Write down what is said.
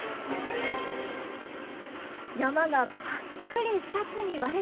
山がぱっくり２つに割れています。